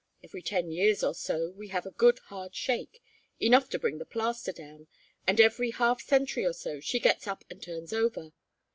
Every ten years or so we have a good hard shake enough to bring the plaster down; and every half century or so she gets up and turns over.